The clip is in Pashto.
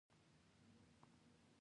زه لاړ شم